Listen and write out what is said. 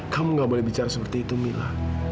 kamu gak boleh bicara seperti itu mila